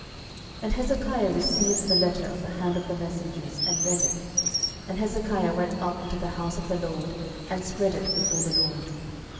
12:019:014 And Hezekiah received the letter of the hand of the messengers, and read it: and Hezekiah went up into the house of the LORD, and spread it before the LORD.